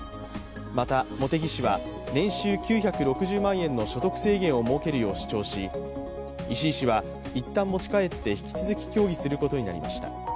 また、茂木氏は年収９６０万円の所得制限を設けるよう主張し石井氏はいったん持ち帰って引き続き協議することになりました。